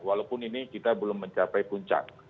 walaupun ini kita belum mencapai puncak